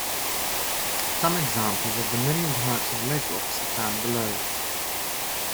Some examples of the many types of leglocks are found below.